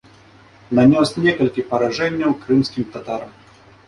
Нанёс некалькі паражэнняў крымскім татарам.